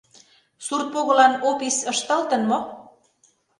Сурт погылан опис ышталтын мо?